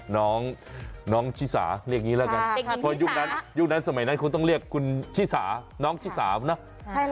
น้องน้องชิสาเรียกงี้แล้วกันค่ะพอยุคนั้นยุคนั้นสมัยนั้นคุณต้องเรียกคุณชิสาน้องชิสานะ